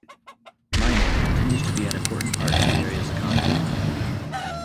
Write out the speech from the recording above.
Mining continues to be an important part of the area's economy.